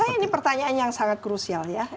saya ini pertanyaan yang sangat krusial ya